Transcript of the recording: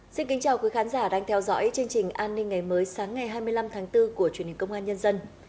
xin kính chào quý khán giả đang theo dõi chương trình an ninh ngày mới sáng ngày hai mươi năm tháng bốn của truyền hình công an nhân dân